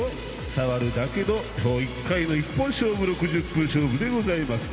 触るだけの今日１回の一本勝負６０分勝負でございます。